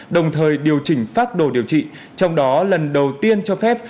đồng thời điều chỉnh phác đồ điều trị trong đó lần đầu tiên cho phép